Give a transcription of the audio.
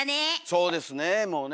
そうですねもうね。